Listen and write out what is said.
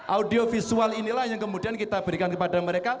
audio visual inilah yang kemudian kita berikan kepada mereka